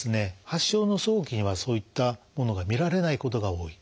発症の早期にはそういったものが見られないことが多い。